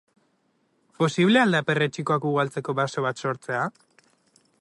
Posible al da perretxikoak ugaltzeko baso bat sortzea?